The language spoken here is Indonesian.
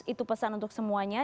itu pesan untuk semuanya